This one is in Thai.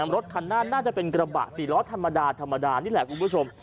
รถคันน่าน่าจะเป็นกระบะสี่รถธรรมดานี่แหละคุณผู้ชม